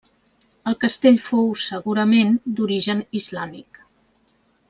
El castell fou, segurament, d'origen islàmic.